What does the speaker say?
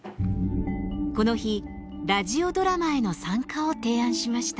この日ラジオドラマへの参加を提案しました。